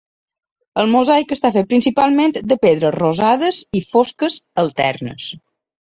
El mosaic està fet principalment de pedres rosades i fosques alternes.